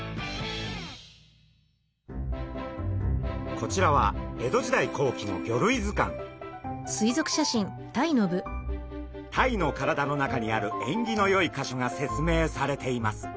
こちらは江戸時代後期のタイの体の中にある縁起のよいかしょが説明されています。